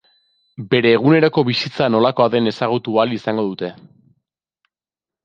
Bere eguneroko bizitza nolakoa den ezagutu ahal izango dute.